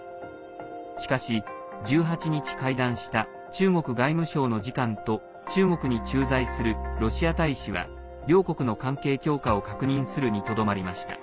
しかし、１８日会談した中国外務省の次官と中国に駐在するロシア大使は両国の関係強化を確認するにとどまりました。